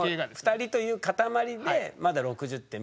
２人という塊でまだ６０点。